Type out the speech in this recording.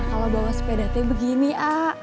nah kalau bawa sepeda teh begini a